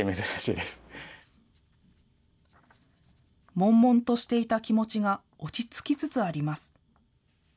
もんもんとしていた気持ちが落ち着きつつあります。